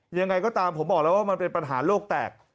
ยังไงก็ตามผมบอกแล้วว่ามันเป็นปัญหาโลกแตก